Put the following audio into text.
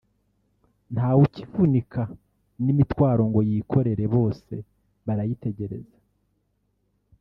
ntawe ukivunika n’imitwaro ngo yikorere bose barayitegereza